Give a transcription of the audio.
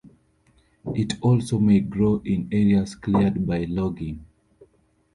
It also may grow in areas cleared by logging.